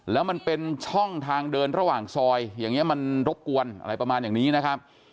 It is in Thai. แล้วมันเป็นช่องทางเดินระหว่างซอยอย่างนี้มันรบกวนอะไรประมาณอย่างนี้นะครับ